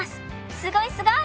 すごいすごい！